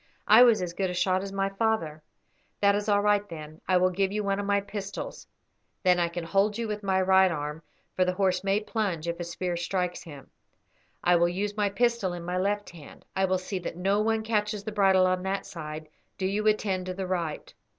"I was as good a shot as my father." "That is all right, then. I will give you one of my pistols; then I can hold you with my right arm, for the horse may plunge if a spear strikes him. I will use my pistol in my left hand. I will see that no one catches the bridle on that side; do you attend to the right.